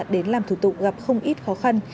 đến làm thủ tục gặp không ít khó khăn